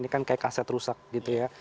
ini kan kayak kaset rusak gitu ya